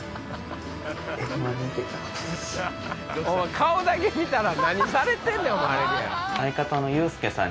顔だけ見たら何されてんねん？